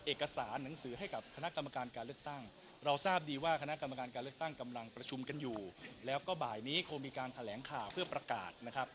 เอกสารหนังสือให้กับคณะกรรมการการเลือกตั้งเราทราบดีว่าคณะกรรมการการเลือกตั้งกำลังประชุมกันอยู่แล้วก็บ่ายนี้คงมีการแถลงข่าวเพื่อประกาศนะครับ